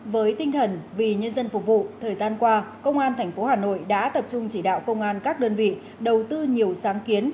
với tinh thần vì nhân dân phục vụ thời gian qua công an tp hà nội đã tập trung chỉ đạo công an các đơn vị đầu tư nhiều sáng kiến